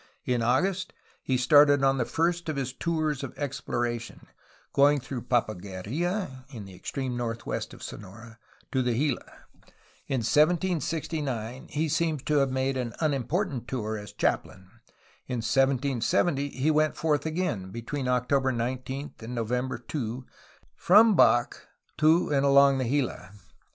In August, he started on the first of his tours of exploration, going through Papaguerla (in the extreme northwest of Sonora) to the Gila. In 1769 he seems to have made an unimportant tour as chaplain. In 1770 he went forth again, between October 19 and November 2, from Bac to and along the Gila.